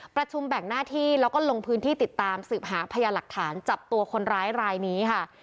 ประชุมแบ่งหน้าที่แล้วก็ลงพื้นที่ติดตามสืบหาพยาหลักฐานจับตัวคนร้ายรายนี้ค่ะ